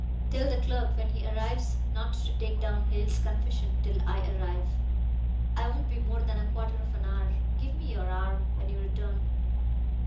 "Tell the clerk when he arrives not to take down Hale's confession till I arrive. I won't be more than a quarter of an hour. Give me your arm when you return."